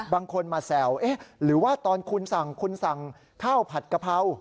บางคนมาแซวหรือว่าตอนคุณสั่งคุณสั่งข้าวผัดกะเพรา